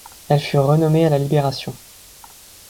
Elles furent renommées à la Libération.